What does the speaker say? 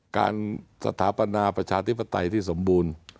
สถาปนาประชาธิปไตยที่สมบูรณ์